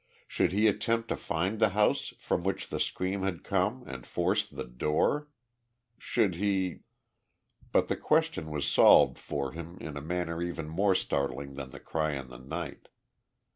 Should he attempt to find the house from which the scream had come and force the door? Should he.... But the question was solved for him in a manner even more startling than the cry in the night.